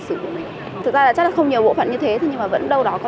ừ thế cho bán cho cháu được ạ